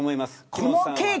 このケーキ